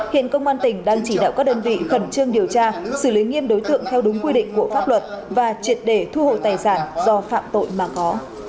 hiện công an tỉnh đang chỉ đạo các đơn vị khẩn trương điều tra xử lý nghiêm đối tượng theo đúng quy định của pháp luật và triệt để thu hồi tài sản do phạm tội mà có